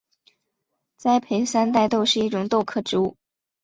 栽培山黧豆是一种豆科植物。